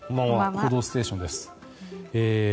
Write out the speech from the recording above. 「報道ステーション」です。